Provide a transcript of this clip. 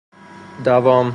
دوام